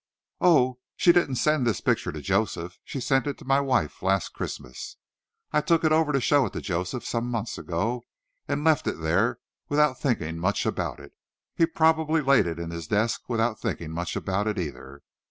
"Oh, she didn't send this picture to Joseph. She sent it to my wife last Christmas. I took it over to show it to Joseph some months ago, and left it there without thinking much about it. He probably laid it in his desk without thinking much about it, either.